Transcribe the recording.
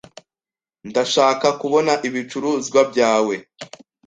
Ndashaka kubona ibicuruzwa byawe.